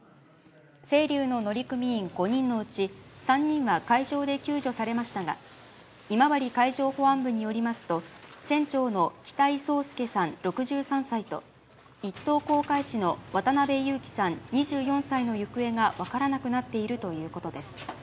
せいりゅうの乗組員５人のうち、３人は海上で救助されましたが、今治海上保安部によりますと、船長の北井宗祐さん６３歳と、一等航海士の渡辺侑樹さん２４歳の行方が分からなくなっているということです。